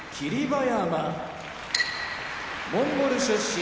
馬山モンゴル出身